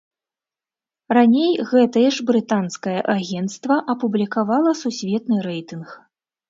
Раней гэтае ж брытанскае агенцтва апублікавала сусветны рэйтынг.